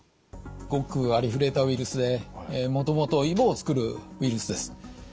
ごくありふれたウイルスでもともといぼをつくるウイルスです。